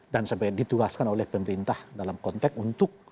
dan sampai ditugaskan oleh pemerintah dalam konteks untuk